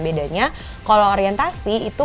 bedanya kalau orientasi itu